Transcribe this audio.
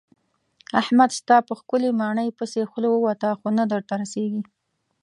احمد ستا په ښکلې ماڼۍ پسې خوله ووته خو نه درته رسېږي.